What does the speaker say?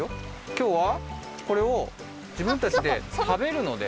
きょうはこれをじぶんたちで。